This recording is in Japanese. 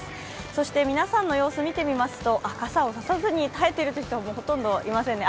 そして皆さんの様子見てみますと、傘を差さずに耐えている人はほとんどいませんね。